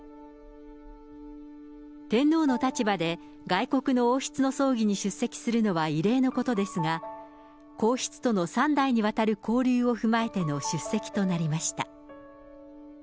天皇の立場で外国の王室の葬儀に出席するのは異例のことですが、皇室との３代にわたる交流を踏まえての出席となりました。